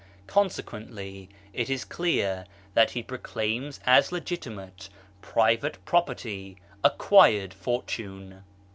Consequently it is clear that he proclaims as legitimate private property, acquired fortune.